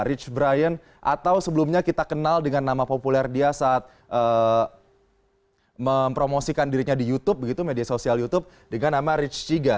rich brian atau sebelumnya kita kenal dengan nama populer dia saat mempromosikan dirinya di youtube begitu media sosial youtube dengan nama rich chiga